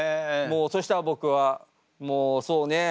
そうしたら僕はもうそうね。